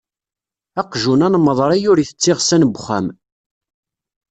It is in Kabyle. Aqjun anmeḍri ur itett iɣsan n uxxam.